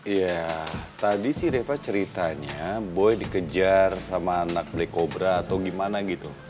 ya tadi sih reva ceritanya boy dikejar sama anak black kobra atau gimana gitu